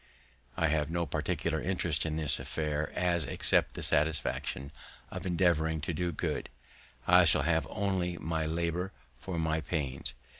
"I have no particular interest in this affair, as, except the satisfaction of endeavouring to do good, I shall have only my labour for my pains.